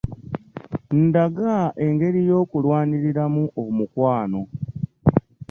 Ndaga engeri y'okulwaniriramu omukwano .